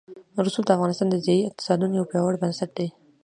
رسوب د افغانستان د ځایي اقتصادونو یو پیاوړی بنسټ دی.